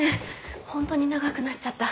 ホントに長くなっちゃった。